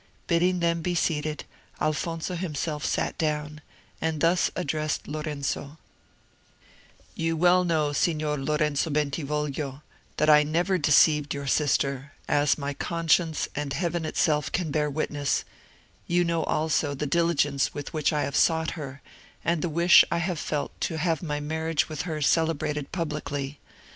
Bidding them be seated, Alfonso himself sat down, and thus addressed Lorenzo:— "You well know, Signor Lorenzo Bentivoglio, that I never deceived your sister, as my conscience and Heaven itself can bear witness; you know also the diligence with which I have sought her, and the wish I have felt to have my marriage with her celebrated publicly.